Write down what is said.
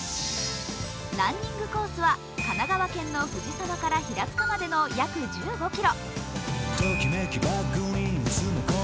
ランニングコースは神奈川県の藤沢から平塚までの約１５ｋｍ。